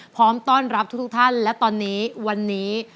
พร้อมต้อนรับทุกท่านและตอนนี้วันนี้